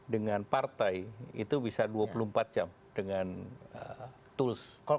dengan partai itu bisa dua puluh empat jam dengan tools